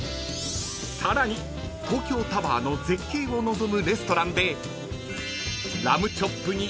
［さらに東京タワーの絶景を望むレストランで］